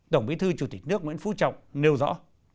tổng bí thư chủ tịch nước nguyễn phú trọng nêu rõ